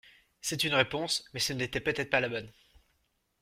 C’est une réponse, mais ce n’était peut-être pas la bonne!